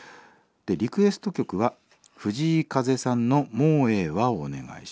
「リクエスト曲は藤井風さんの『もうええわ』をお願いします。